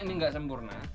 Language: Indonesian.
ini gak sempurna